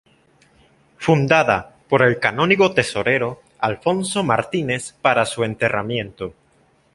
Fundada por el canónigo tesorero Alfonso Martínez para su enterramiento.